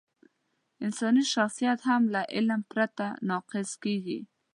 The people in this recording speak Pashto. انساني شخصیت هم له علم پرته ناقص کېږي.